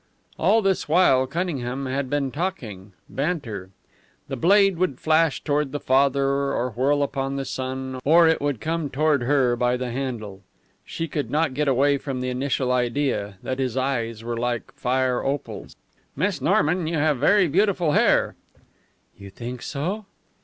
All this while Cunningham had been talking banter. The blade would flash toward the father or whirl upon the son, or it would come toward her by the handle. She could not get away from the initial idea that his eyes were like fire opals. "Miss Norman, you have very beautiful hair." "You think so?"